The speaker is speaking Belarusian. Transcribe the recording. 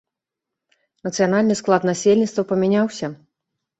Нацыянальны склад насельніцтва памяняўся.